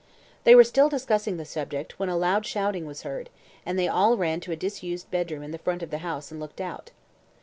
They were still discussing the subject, when a loud shouting was heard, and they all ran to a disused bedroom in the front of the house and looked out.